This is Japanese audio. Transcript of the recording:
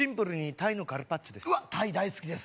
タイ大好きです